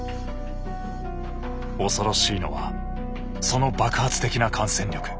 恐ろしいのはその爆発的な感染力。